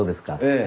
ええ。